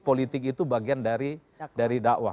politik itu bagian dari dakwah